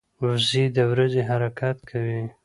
وزې د ورځي حرکت کوي